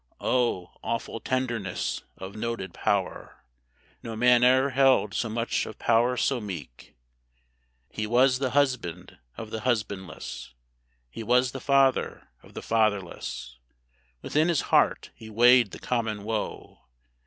O awful tenderness of noted power! No man e'er held so much of power so meek. "He was the husband of the husbandless, He was the father of the fatherless: Within his heart he weigh'd the common woe.